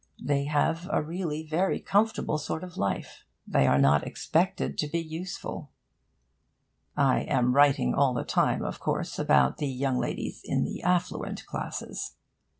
They have a really very comfortable sort of life. They are not expected to be useful. (I am writing all the time, of course, about the young ladies in the affluent classes.)